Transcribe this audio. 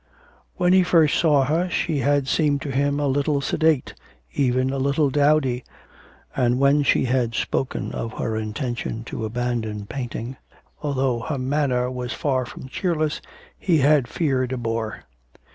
When he first saw her she had seemed to him a little sedate, even a little dowdy, and when she had spoken of her intention to abandon painting, although her manner was far from cheerless, he had feared a bore.